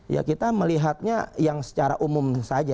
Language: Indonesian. ya kita melihatnya yang secara umum saja